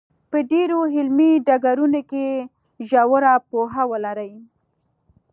په ډېرو علمي ډګرونو کې ژوره پوهه ولري.